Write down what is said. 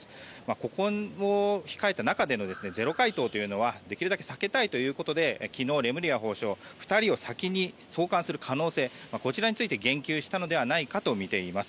ここを控えた中でのゼロ回答というのはできるだけ避けたいということで昨日、レムリヤ法相は２人を先に送還する可能性について言及したのではないかとみています。